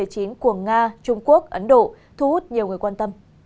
của nga trung quốc ấn độ thu hút nhiều người quan tâm